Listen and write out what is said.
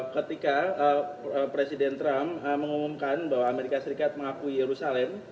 ketika presiden trump mengumumkan bahwa amerika serikat mengakui yerusalem